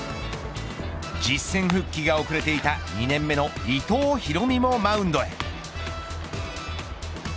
実戦復帰が遅れていた２年目の伊藤大海もマウンドへ。